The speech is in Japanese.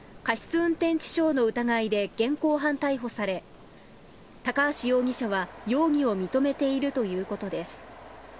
運転致傷の疑いで現行犯逮捕され高橋容疑者は容疑を認めているということです。